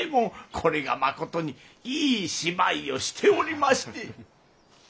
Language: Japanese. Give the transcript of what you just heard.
これがまことにいい芝居をしておりまして。